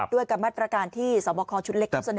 ด้วยกรรมัตรการที่สวบคล้อชุดเล็กที่เสนอ